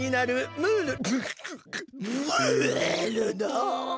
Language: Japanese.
ムールの。